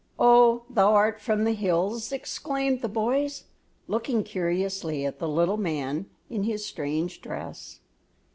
"Oh, thou art from the hills," exclaimed the boys, looking curiously at the little man in his strange dress.